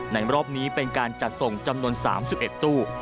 ในรอบนี้เป็นการจัดส่งจำนวน๓๑ตู้